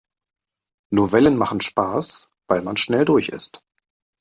Novellen machen Spaß, weil man schnell durch ist.